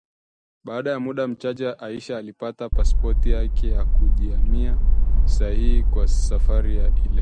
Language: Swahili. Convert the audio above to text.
Baada ya muda mchache, Aisha alipata pasipoti yake na kujihami sahihi kwa safari ile